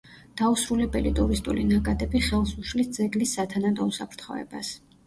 დაუსრულებელი ტურისტული ნაკადები ხელს უშლის ძეგლის სათანადო უსაფრთხოებას.